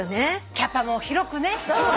キャパも広くね。